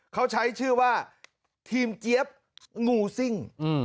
เขาใช้ชื่อว่าทีมเจี๊ยบงูซิ่ง